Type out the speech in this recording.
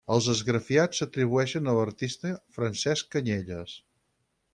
Els esgrafiats s'atribueixen a l'artista Francesc Canyelles.